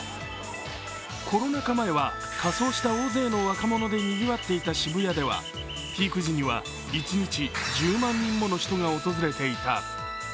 コロナ禍前は仮装した大勢の若者でにぎわっていた渋谷ではピーク時には一日１０万人もの人が訪れていた。